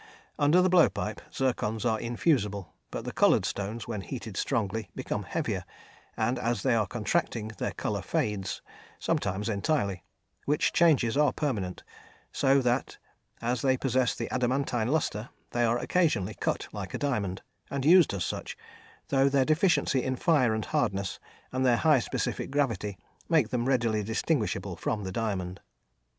Under the blowpipe, zircons are infusible, but the coloured stones when heated strongly become heavier, and as they are contracting, their colour fades, sometimes entirely, which changes are permanent, so that as they possess the adamantine lustre, they are occasionally cut like a diamond, and used as such, though their deficiency in fire and hardness, and their high specific gravity, make them readily distinguishable from the diamond.